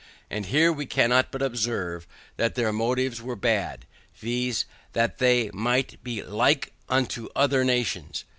And here we cannot but observe that their motives were bad, viz. that they might be LIKE unto other nations, i.